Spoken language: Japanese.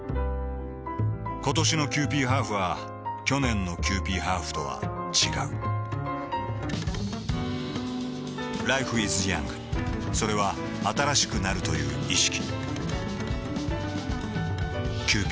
ことしのキユーピーハーフは去年のキユーピーハーフとは違うＬｉｆｅｉｓｙｏｕｎｇ．それは新しくなるという意識